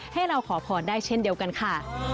ให้เราขอพรได้เช่นเดียวกันค่ะ